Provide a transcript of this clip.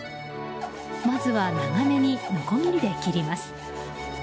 まずは長めにのこぎりで切ります。